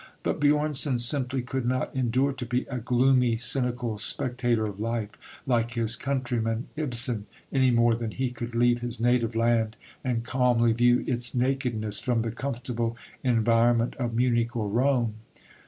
But Björnson simply could not endure to be a gloomy, cynical spectator of life, like his countryman, Ibsen, any more than he could leave his native land and calmly view its nakedness from the comfortable environment of Munich or Rome.